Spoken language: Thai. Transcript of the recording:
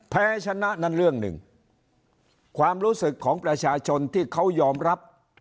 แพ้ชนะนั่นเรื่องหนึ่งความรู้สึกของประชาชนที่เขายอมรับ